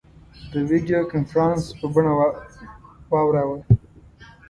د ویډیو کنفرانس په بڼه واوراوه.